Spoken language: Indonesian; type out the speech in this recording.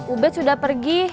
ubet sudah pergi